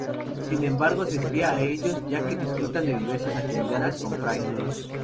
Sin embargo, se espía a ellos, ya que disfrutan de diversas actividades con Fry.